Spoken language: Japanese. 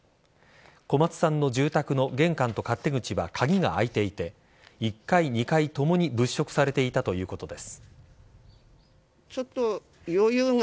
小松さんの住宅の玄関と勝手口は鍵が開いていて１階、２階ともに物色されていたということです。